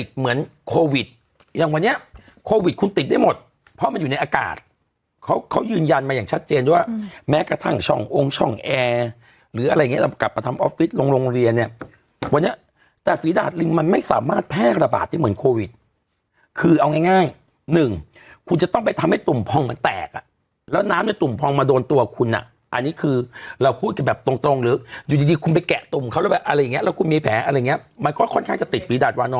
เหมือนโควิดอย่างวันเนี้ยโควิดคุณติดได้หมดเพราะมันอยู่ในอากาศเขาเขายืนยันมาอย่างชัดเจนว่าแม้กระทั่งช่ององค์ช่องแอร์หรืออะไรอย่างเงี้ยเรากลับมาทำออฟฟิศลงโรงเรียนเนี้ยวันเนี้ยแต่ฟีดาสลิงมันไม่สามารถแพร่ระบาดที่เหมือนโควิดคือเอาง่ายง่ายหนึ่งคุณจะต้องไปทำให้ตุ่มพองมัน